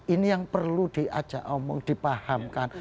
ini yang perlu diajak omong dipahamkan